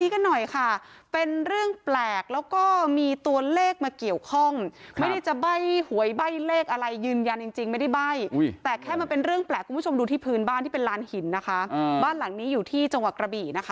กันหน่อยค่ะเป็นเรื่องแปลกแล้วก็มีตัวเลขมาเกี่ยวข้องไม่ได้จะใบ้หวยใบ้เลขอะไรยืนยันจริงไม่ได้ใบ้แต่แค่มันเป็นเรื่องแปลกคุณผู้ชมดูที่พื้นบ้านที่เป็นลานหินนะคะบ้านหลังนี้อยู่ที่จังหวัดกระบี่นะคะ